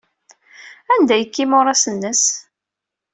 Anda ay yekka imuras-nnes?